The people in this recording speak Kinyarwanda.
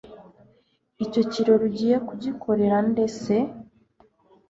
Icyo kirori ugiye kugikorera nde se?